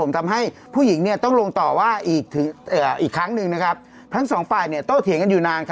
ทำให้ผู้หญิงต้องลงต่อว่าอีกครั้งหนึ่งทั้งสองฝ่ายโตเถียงกันอยู่นาน